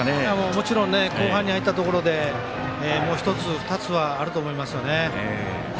もちろん後半に入ったところでもう１つ、２つはあると思いますよね。